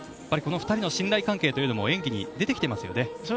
この２人の信頼関係も演技に出てきていますよね。